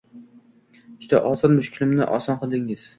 Juda oson, mushkulimni oson qildingiz…